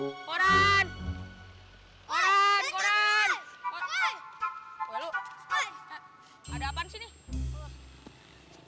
hai orang orang jadwal puasanya enggak jadwal puasa bentar wah ini ada nih